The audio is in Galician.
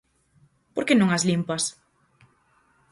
¿Por que non as limpas?